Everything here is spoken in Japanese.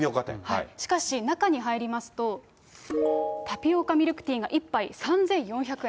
しかし中に入りますと、タピオカミルクティーが１杯３４００円。